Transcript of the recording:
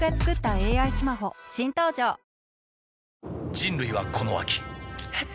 人類はこの秋えっ？